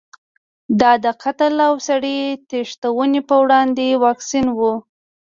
دا د قتل او سړي تښتونې په وړاندې واکسین و.